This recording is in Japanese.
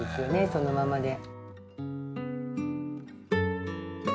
そのままで。